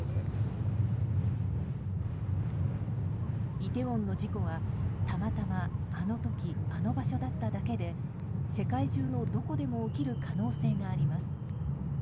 イテウォンの事故はたまたま、あの時あの場所だっただけで世界中のどこでも起きる可能性があります。